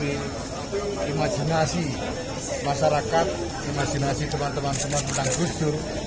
apa yang saya maksud dengan menghidupkan gusur